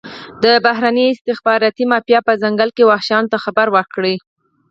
د بهرني استخباراتي مافیا په ځنګل کې وحشیانو ته خبره وکړي.